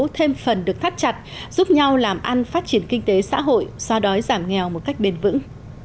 thêm phần được thắt chặt giúp nhau làm ăn phát triển kinh tế xã hội so đói giảm nghèo một cách bền vững